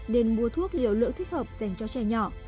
nên mua thuốc liều lượng thích hợp dành cho trẻ nhỏ